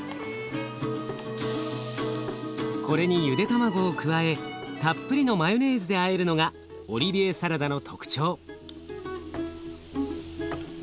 これにゆで卵を加えたっぷりのマヨネーズであえるのがオリビエサラダの特徴。